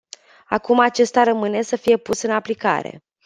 Acum acesta rămâne să fie pus în aplicare.